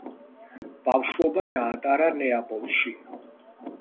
ბავშვობა გაატარა ნეაპოლში.